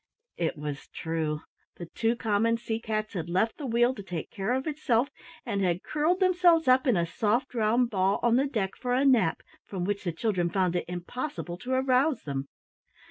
It was true. The two common sea cats had left the wheel to take care of itself and had curled themselves up in a soft round ball on the deck for a nap from which the children found it impossible to arouse them.